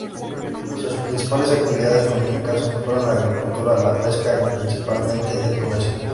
Sus principales actividades económicas fueron la agricultura, la pesca y, principalmente, el comercio.